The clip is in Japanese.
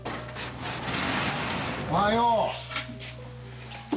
おはよう。